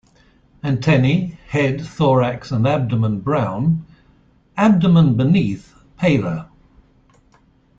Antennae, head, thorax and abdomen brown; abdomen beneath paler.